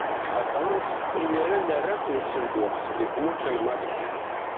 Ɛeṭṭren-t, imiren rran-t deg usenduq, di tmurt n Maṣer.